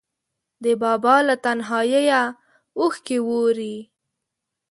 د بابا له تنهاییه اوښکې ووري